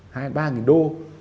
hai đến ba nghìn đô